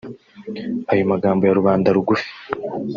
Ayo magambo ya rubanda rugufi